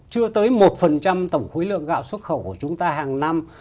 chưa tới một phần trăm tổng khối lượng gạo xuất khẩu của chúng ta hàng năm